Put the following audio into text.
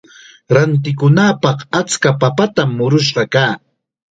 Rantikunapaq achka papatam murush kaa.